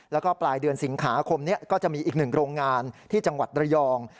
แล้วก็ปลายเดือนสิงหาคมนี้ก็จะมีอีกหนึ่งโรงงานที่จังหวัดระยอง